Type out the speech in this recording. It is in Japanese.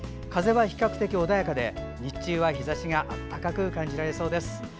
風は比較的穏やかで日中は日ざしが暖かく感じられそうです。